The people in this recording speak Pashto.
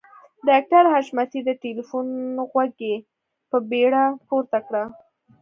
ډاکټر حشمتي د ټليفون غوږۍ په بیړه پورته کړه.